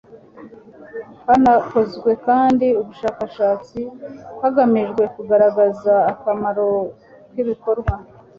hanakozwe kandi ubushakashatsi hagamijwe kugaragaza akamaro k'ibikorwa